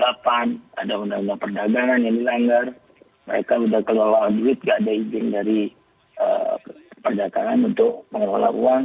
mereka sudah kelolaan duit nggak ada izin dari perdagangan untuk mengelola uang